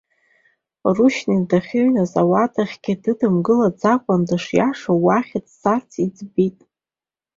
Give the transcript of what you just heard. Рушьни дахьыҩназ ауадахьгьы дыдымгылаӡакәа дышиашоу уахь дцарц иӡбеит.